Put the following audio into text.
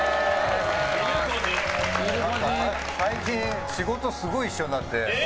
最近、仕事すごい一緒になって。